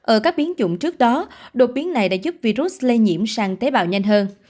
ở các biến chủng trước đó đột biến này đã giúp virus lây nhiễm sang tế bào nhanh hơn